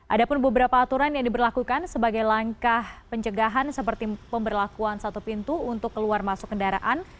ada pun beberapa aturan yang diberlakukan sebagai langkah pencegahan seperti pemberlakuan satu pintu untuk keluar masuk kendaraan